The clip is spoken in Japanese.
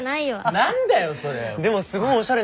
何だよそれ。